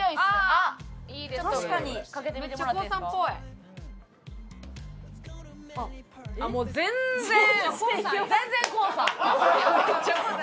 あっもう全然。